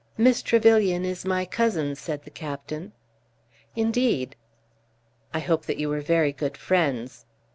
"Miss Trevyllian is my cousin," said the captain. "Indeed!" "I hope that you were very good friends."